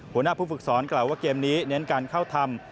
หัวหน้าผู้ฝึกสอนกล่าวว่าเกมนี้เน้นการเข้าทำ